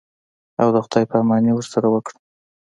او د خداى پاماني ورسره وکړم.